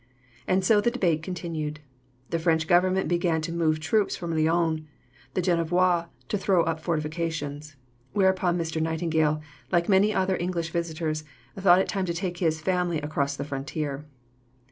And so the debate continued. The French Government began to move troops from Lyons; the Genevois, to throw up fortifications. Whereupon Mr. Nightingale, like many other English visitors, thought it time to take his family across the frontier.